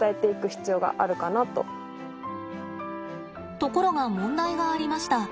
ところが問題がありました。